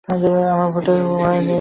আমার ভূতের ভয় নেই মজিদ।